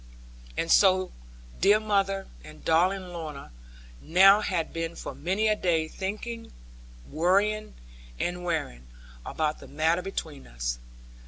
And so dear mother and darling Lorna now had been for many a day thinking, worrying, and wearing, about the matter between us.